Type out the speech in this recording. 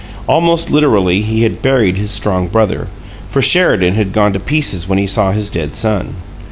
Almost literally he had buried his strong brother, for Sheridan had gone to pieces when he saw his dead son.